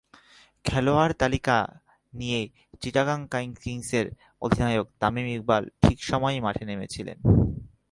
খেলোয়াড় তালিকা নিয়ে চিটাগং ভাইকিংসের অধিনায়ক তামিম ইকবাল ঠিক সময়ই মাঠে নেমেছিলেন।